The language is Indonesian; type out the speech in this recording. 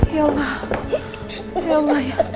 ya allah ya allah ya